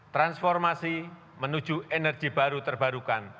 transformasi menuju energi baru terbarukan